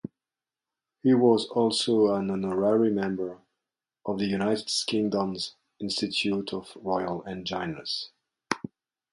He was also an honorary member of the United Kingdom's Institute of Royal Engineers.